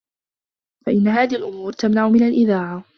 فَإِنَّ هَذِهِ الْأُمُورَ تَمْنَعُ مِنْ الْإِذَاعَةِ